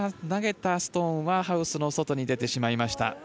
投げたストーンはハウスの外に出てしまいました。